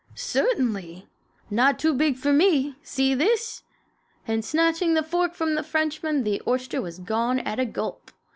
"Certainly. Not too big for me. See this!" and snatching the fork from the Frenchman the oyster was gone at a gulp.